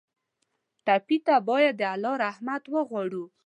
ټپي ته باید د الله رحمت وغواړو.